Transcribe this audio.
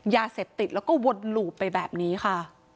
ยาเสพติดแล้วก็วนหลูบไปแบบนี้ค่ะ